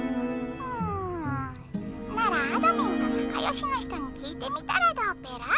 「うんならあどミンとなかよしの人に聞いてみたらどうペラ？」。